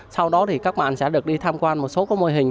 sau đó thì các bạn sẽ được đi tham quan một số mô hình